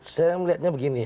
saya melihatnya begini